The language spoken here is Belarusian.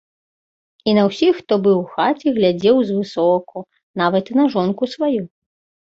І на ўсіх, хто быў у хаце, глядзеў звысоку, нават і на жонку сваю.